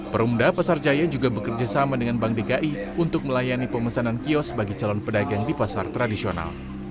perumda pasar jaya juga bekerja sama dengan bank dki untuk melayani pemesanan kios bagi calon pedagang di pasar tradisional